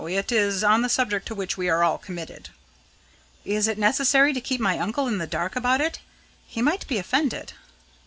It is on the subject to which we are all committed." "Is it necessary to keep my uncle in the dark about it? He might be offended."